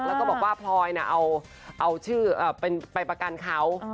แล้วก็บอกว่าพลอยเอาชื่อไปประกันเขา